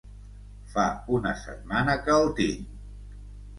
Fa una setmana que el tinc.